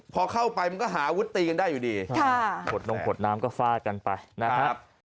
พอเข้าไปมันก็หาอาวุธตีกันได้อยู่ดีขดนมขวดน้ำก็ฟาดกันไปนะครับ